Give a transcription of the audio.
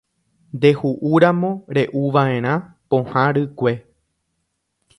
Ndehu'úramo re'uva'erã pohã rykue.